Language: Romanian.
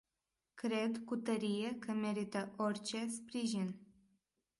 Cred cu tărie că merită orice sprijin.